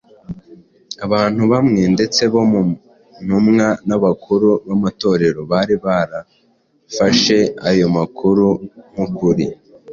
Abantu bamwe ndetse bo mu ntumwa n’abakuru b’amatorero bari barafashe ayo makuru nk’ukuri